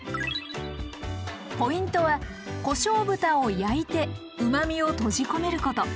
ポイントはこしょう豚を焼いてうまみを閉じ込めること。